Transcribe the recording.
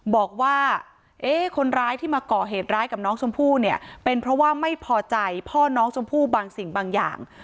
บอกว่าเอ๊ะคนร้ายที่มาก่อเหตุร้ายกับน้องชมพู่เนี่ยเป็นเพราะว่าไม่พอใจพ่อน้องชมพู่บางสิ่งบางอย่าง